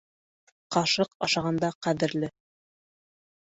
Ҡашыҡ ашағанда ҡәҙерле.